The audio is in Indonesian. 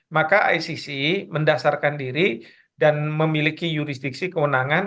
maka icc mendasarkan diri dan memiliki jurisdiksi kewenangan